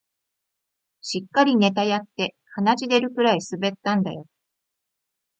しっかりネタやって鼻血出るくらい滑ったんだよ